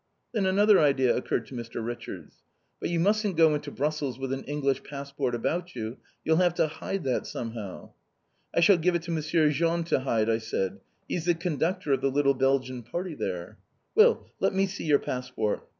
'" Then another idea occurred to Mr. Richards. "But you mustn't go into Brussels with an English passport about you. You'll have to hide that somehow!" "I shall give it to Monsieur Jean to hide," I said. "He's the conductor of the little Belgian party there!" "Well, let me see your passport!